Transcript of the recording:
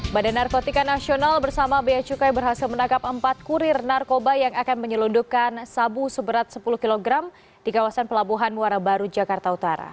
badan narkotika nasional bersama beacukai berhasil menangkap empat kurir narkoba yang akan menyelundupkan sabu seberat sepuluh kg di kawasan pelabuhan muara baru jakarta utara